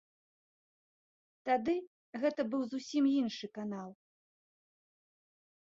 Тады гэта быў зусім іншы канал.